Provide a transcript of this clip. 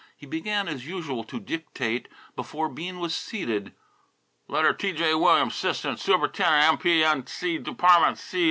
He began, as usual, to dictate before Bean was seated. "Letter T.J. Williams 'sistant sup'ntendent M.P. 'n' C. department C.